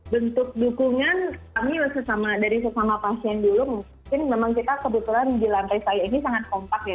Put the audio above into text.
bentuk dukungan kami dari sesama pasien dulu mungkin memang kita kebetulan di lantai saya ini sangat kompak ya